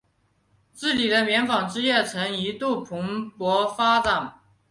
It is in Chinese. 这里的棉纺织工业曾一度蓬勃发展。